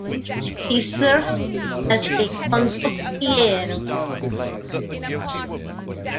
He served as a condottiero.